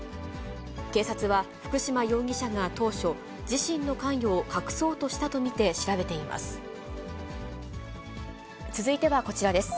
警察は、福島容疑者が当初、自身の関与を隠そうとしたと見て調べています。